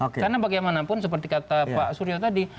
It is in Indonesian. karena bagaimanapun seperti kata pak suryo tadi